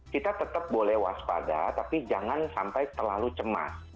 kita tetap boleh waspada tapi jangan sampai terlalu cemas